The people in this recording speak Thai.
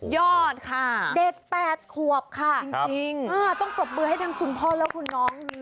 ยอดค่ะเด็ก๘ขวบค่ะจริงต้องปรบมือให้ทั้งคุณพ่อและคุณน้อง